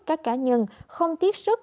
các cá nhân không tiếc sức